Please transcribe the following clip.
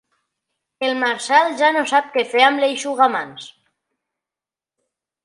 El Marcel ja no sap què fer amb l'eixugamans.